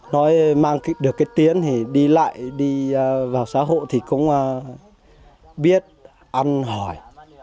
nói mang được cái tiếng thì đi lại đi vào xã hội thì cũng biết ăn hỏi